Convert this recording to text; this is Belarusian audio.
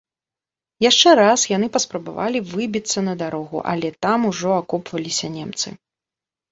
Яшчэ раз яны паспрабавалі выбіцца на дарогу, але там ужо акопваліся немцы.